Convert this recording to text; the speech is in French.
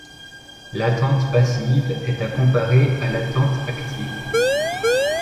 L'attente passive est à comparer à l'attente active.